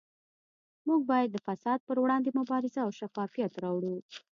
موږ باید د فساد پروړاندې مبارزه او شفافیت راوړو